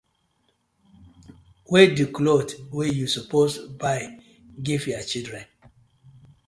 Wey di clothe wey yu suppose buy giv yah children?